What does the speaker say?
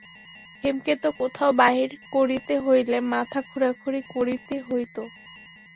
হেমকে তো কোথাও বাহির করিতে হইলে মাথা-খোঁড়াখুঁড়ি করিতে হইত।